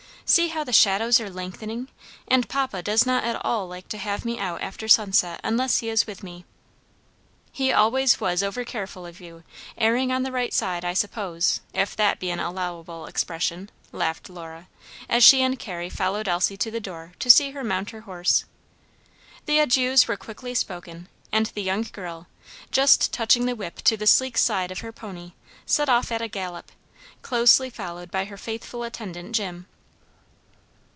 See how the shadows are lengthening, and papa does not at all like to have me out after sunset unless he is with me." "He always was overcareful of you, erring on the right side, I suppose, if that be an allowable expression," laughed Lora, as she and Carrie followed Elsie to the door to see her mount her horse. The adieus were quickly spoken and the young girl, just touching the whip to the sleek side of her pony, set off at a gallop, closely followed by her faithful attendant Jim.